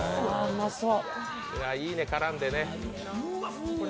いいね、絡んでね。